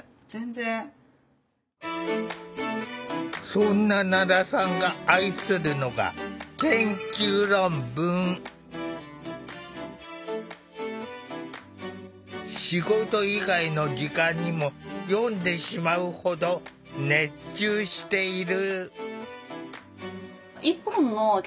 そんな奈良さんが愛するのが仕事以外の時間にも読んでしまうほど熱中している。